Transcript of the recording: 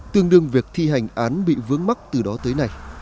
tương đương việc thi hành án bị vướng mắt từ đó tới nay